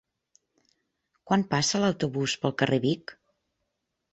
Quan passa l'autobús pel carrer Vic?